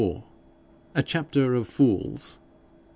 A CHAPTER OF FOOLS.